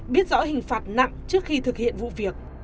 biết rõ hình phạt nặng trước khi thực hiện vụ việc